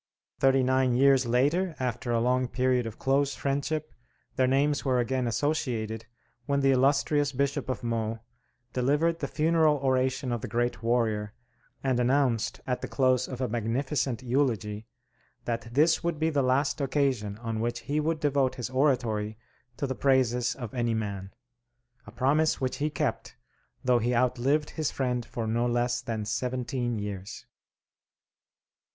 Thirty nine years later, after a long period of close friendship, their names were again associated when the illustrious Bishop of Meaux delivered the funeral oration of the great warrior, and announced, at the close of a magnificent eulogy, that this would be the last occasion on which he would devote his oratory to the praises of any man; a promise which he kept, though he outlived his friend for no less than seventeen years.